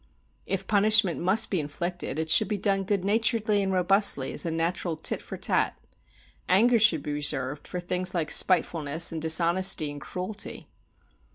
If punishment must be inflicted, it should be done good naturedly and robustly as a natural tit for tat. Anger should be reserved for things like spitefulness and dishonesty and cruelty.